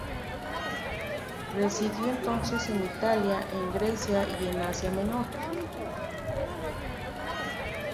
Residió entonces en Italia, en Grecia y en Asia Menor.